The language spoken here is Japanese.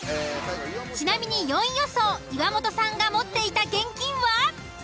ちなみに４位予想岩本さんが持っていた現金は。